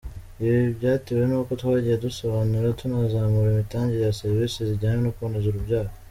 Ibi byatewe n’uko twagiye dusobanura, tunazamura imitangire ya serivisi zijyanye no kuboneza urubyaro.